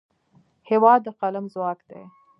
هېواد د قلم ځواک دی.